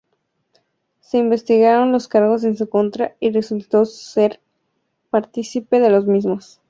Se investigaron los cargos en su contra y resultó ser participe de los mismos.